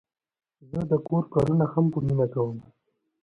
زه د کور کارونه هم په مینه کوم.